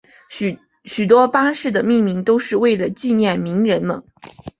许多巴士的命名都是为了纪念名人们。